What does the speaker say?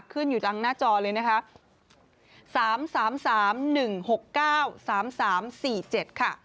ขึ้นอยู่จังหน้าจอเลยนะคะ๓๓๑๖๙๓๓๔๗ค่ะ